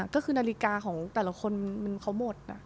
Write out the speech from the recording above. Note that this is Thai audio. ก็คือนาฬิกาของแต่ละคนเขาหมด